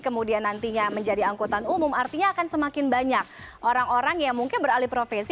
kemudian nantinya menjadi angkutan umum artinya akan semakin banyak orang orang yang mungkin beralih profesi